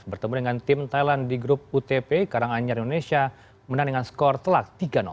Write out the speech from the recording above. bertemu dengan tim thailand di grup utp karanganyar indonesia menang dengan skor telak tiga